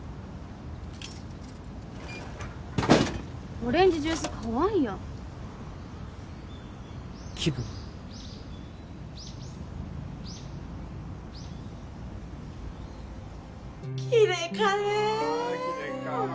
オレンジジュース買わんやん気分キレイかねえあ